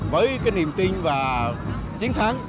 với cái niềm tin và chiến thắng